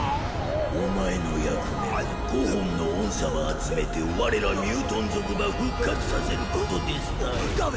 お前の役目は５本の音叉を集めて我らミュートン族ば復活させることですたい！